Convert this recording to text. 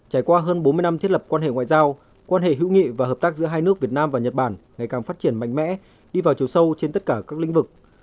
hữu nghị và hợp tác giữa hai nước việt nam và nhật bản ngày càng phát triển mạnh mẽ đi vào chiều sâu trên tất cả các lĩnh vực